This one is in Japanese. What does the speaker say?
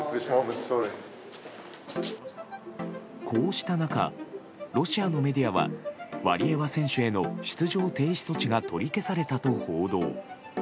こうした中ロシアのメディアはワリエワ選手への出場停止措置が取り消されたと報道。